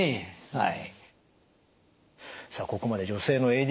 はい。